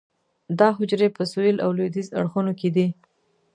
دا حجرې په سویل او لویدیځ اړخونو کې دي.